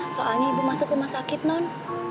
soalnya ibu masuk rumah sakit non